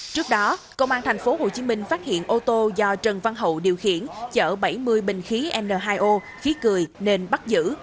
trước đó công an thành phố hồ chí minh phát hiện ô tô do trần văn hậu điều khiển chở bảy mươi bình khí n hai o khí cười nên bắt giữ